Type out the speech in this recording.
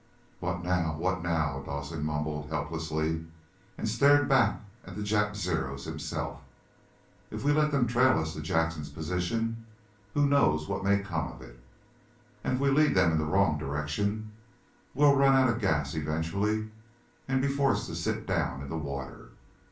"What now, what now?" Dawson mumbled helplessly, and stared back at the Jap Zeros himself. "If we let them trail us to Jackson's position, who knows what may come of it? And if we lead them in the wrong direction, we'll run out of gas eventually, and be forced to sit down in the water.